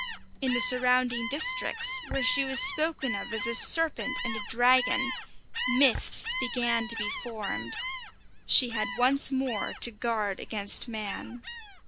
In the surrounding districts, where she was spoken of as a serpent and a dragon, myths began to be formed; she had once more to guard against man.